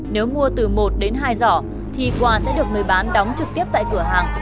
nếu mua từ một đến hai giỏ thì quà sẽ được người bán đóng trực tiếp tại cửa hàng